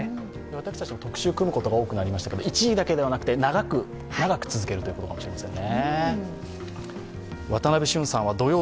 私たちも特集組むことが多くなりましたけど一時だけではなくて、長く続けるということも大事ですね。